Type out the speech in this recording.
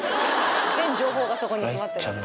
全情報がそこに詰まってる。